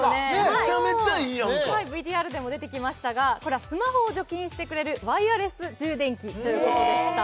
めちゃめちゃいいやんかＶＴＲでも出てきましたがこれはスマホを除菌してくれるワイヤレス充電器ということでした